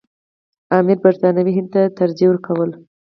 امیر برټانوي هند ته ترجیح ورکوله.